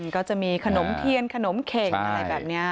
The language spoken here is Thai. ก็จะมีขนมเทียนขนมเข่งอะไรแบบนี้